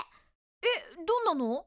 えっどんなの？